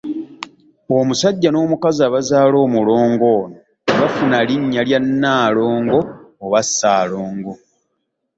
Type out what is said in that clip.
Omusajja n’omukazi abazaala omulongo ono tebafuna linnya lya Nnaalongo oba Ssaalongo.